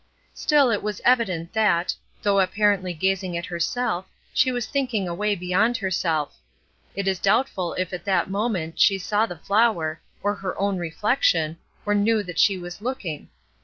Still it was evident that, though apparently gazing at herself, she was thinking away beyond herself. It is doubtful if at that moment she saw the flower, or her own reflection, or knew that she was looking.